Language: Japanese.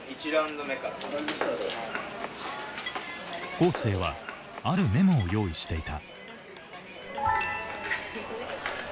恒成はあるメモを用意していた。